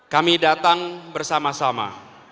kami datang bersama sama